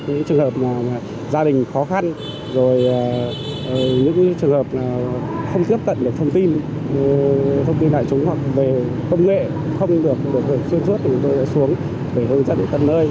những trường hợp gia đình khó khăn những trường hợp không tiếp cận thông tin thông tin đại chúng hoặc về công nghệ không được xuyên suốt thì chúng tôi xuống để hướng dẫn đến tầm nơi